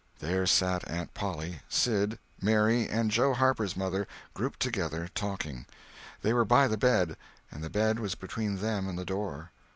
There sat Aunt Polly, Sid, Mary, and Joe Harper's mother, grouped together, talking. They were by the bed, and the bed was between them and the door.